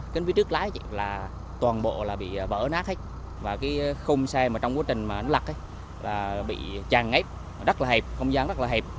kính phía trước lái toàn bộ bị vỡ nát khung xe trong quá trình lật bị chàn ngếp rất là hẹp không gian rất là hẹp